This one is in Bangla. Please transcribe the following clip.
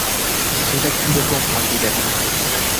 সেটা কী রকম আপনি ব্যাখ্যা করে বলুন।